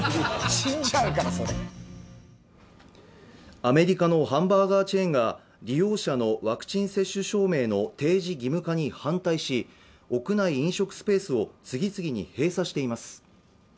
アメリカのハンバーガーチェーンが利用者のワクチン接種証明の提示義務化に反対し屋内飲食スペースを次々に閉鎖しています